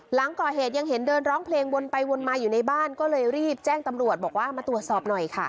หลังก่อเหตุยังเห็นเดินร้องเพลงวนไปวนมาอยู่ในบ้านก็เลยรีบแจ้งตำรวจบอกว่ามาตรวจสอบหน่อยค่ะ